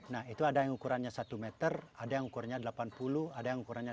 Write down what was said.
nah itu ada yang ukurannya satu meter ada yang ukurnya delapan puluh ada yang ukurannya delapan puluh